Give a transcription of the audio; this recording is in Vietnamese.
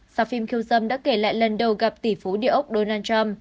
sao phim kiêu dâm đã kể lại lần đầu gặp tỷ phú địa ốc donald trump